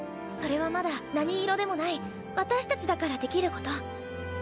それはまだ何色でもない私たちだからできること。